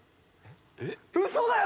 ウソだよね！？